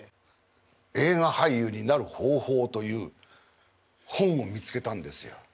「映画俳優になる方法」という本を見つけたんですよ。